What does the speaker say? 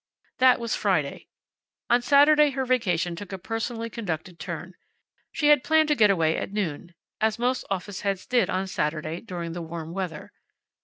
That was Friday. On Saturday her vacation took a personally conducted turn. She had planned to get away at noon, as most office heads did on Saturday, during the warm weather.